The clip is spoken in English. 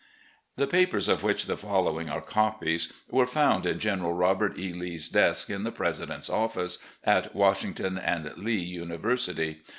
The papers of which the following are copies were found in (jeneral Robert E. Lee's desk in the President's Office at Washington and Lee University.